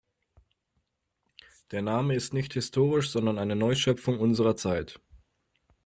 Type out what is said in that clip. Der Name ist nicht historisch, sondern eine Neuschöpfung unserer Zeit.